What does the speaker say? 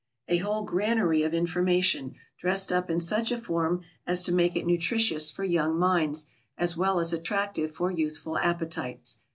_ A whole granary of information, dressed up in such a form as to make it nutritious for young minds, as well as attractive for youthful appetites.